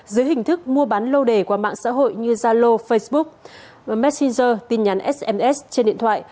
dưới hình thức mua bán lô đề qua mạng xã hội như zalo facebook messenger tin nhắn sms trên điện thoại